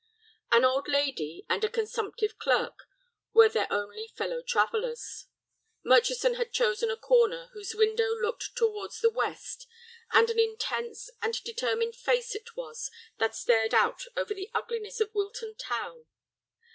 An old lady and a consumptive clerk were their only fellow travellers. Murchison had chosen a corner whose window looked towards the west, and an intense and determined face it was that stared out over the ugliness of Wilton town.